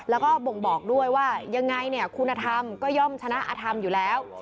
แล้วก็บ่งบอกด้วยว่ายังไงเนี่ยคุณธรรมก็ย่อมชนะอธรรมอยู่แล้ว